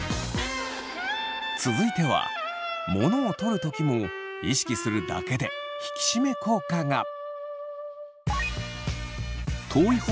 続いては物を取る時も意識するだけで引き締め効果が。